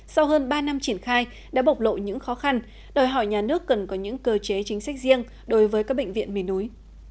sau hơn ba năm triển khai đã bộc lộ những khó khăn đòi hỏi nhà nước cần có những cơ chế chính sách riêng đối với các bệnh viện miền núi